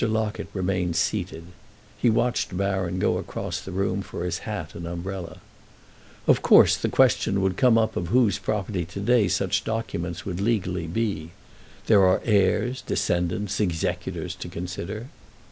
Locket remained seated; he watched Baron go across the room for his hat and umbrella. "Of course, the question would come up of whose property today such documents would legally he. There are heirs, descendants, executors to consider."